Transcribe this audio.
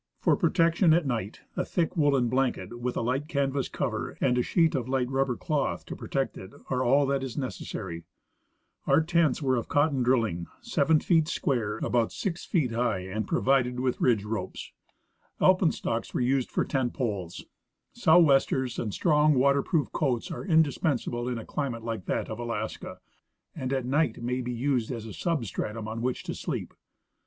For protection at night, a thick woolen blanket with a light canvas cover and a sheet of light rubber cloth to protect it are all that is necessary. Our tents were of cotton drilling, seven feet square and about six feet high, and 23— Nat. Geog. Mag., vol. Ill, 1891. 166 I. C. Russell — Expedition to Mount St. Elias. provided with ridge ropes. Alpenstocks were used for tent poles. " Sou 'westers " and strong water j^roof coats are indispensable in a climate like that of Alaska, and at night may be used as a sub stratum on which to sleep.